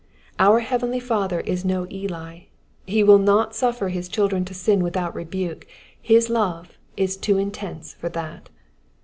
Our heavenly Father is no Eli : he will not suffer his children to sin without rebuke, his love is too intense for that.